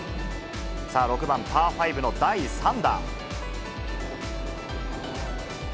さあ、６番パー５の第３打。